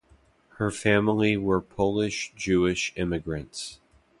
Her family were Polish Jewish immigrants.